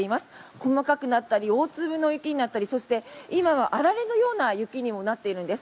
細かくなったり大粒の雪になったりそして今はあられのような雪にもなっているんです。